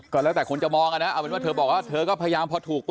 ก็แล้วแต่คนจะมองอ่ะนะเอาเป็นว่าเธอบอกว่าเธอก็พยายามพอถูกปุ